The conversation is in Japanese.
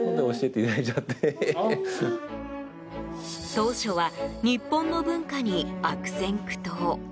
当初は日本の文化に悪戦苦闘。